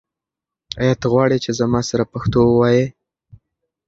آیا ته غواړې چې زما سره پښتو ووایې؟